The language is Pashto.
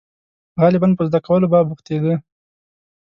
• غالباً په زده کولو به بوختېده.